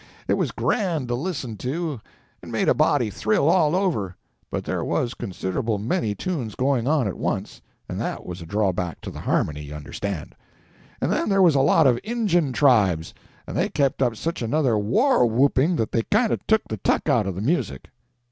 It was grand to listen to, and made a body thrill all over, but there was considerable many tunes going on at once, and that was a drawback to the harmony, you understand; and then there was a lot of Injun tribes, and they kept up such another war whooping that they kind of took the tuck out of the music.